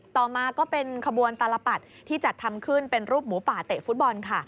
ต่อมาก็เป็นขบวนตลปัดที่จัดทำขึ้นเป็นรูปหมูป่าเตะฟุตบอลค่ะ